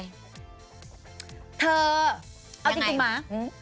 เธอยังไงเอาจริงมา